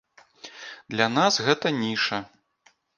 Для нас гэта ніша.